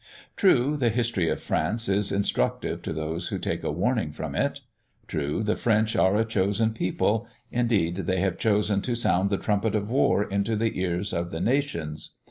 True, the history of France is instructive to those who take a warning from it. True the French are a chosen people; indeed, they are chosen to sound the trumpet of war into the ears of the nations.